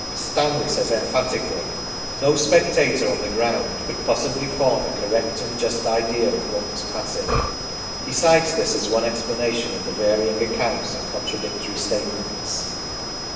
Stanley says emphatically : 32 THE STORY OF PETERLOO " No spectator on the ground could possibly form a correct and just idea of what was passing ". He cites this as one explanation of the vaiying accounts and contradictory statements.